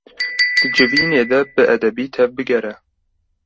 Di civînê de bi edebî tevbigere.